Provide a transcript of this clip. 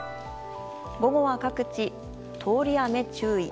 午後は各地、通り雨注意。